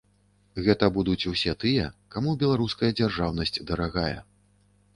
Гэта будуць усе тыя, каму беларуская дзяржаўнасць дарагая.